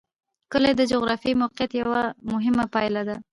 کلي د جغرافیایي موقیعت یوه مهمه پایله ده.